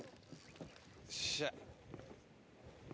よっしゃ。